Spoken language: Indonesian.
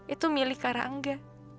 itu milik karangga